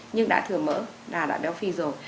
nhưng đã thừa mỡ là đã béo phỉ rồi